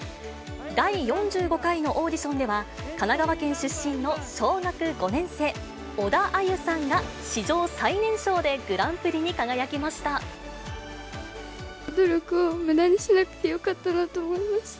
第４５回のオーディションでは、神奈川県出身の小学５年生、小田愛結さんが史上最年少でグラ努力をむだにしなくてよかったなと思いました。